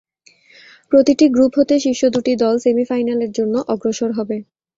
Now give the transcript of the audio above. প্রতিটি গ্রুপ হতে শীর্ষ দুটি দল সেমি-ফাইনালের জন্য অগ্রসর হবে।